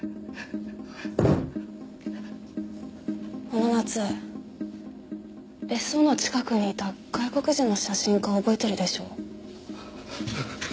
あの夏別荘の近くにいた外国人の写真家を覚えてるでしょ？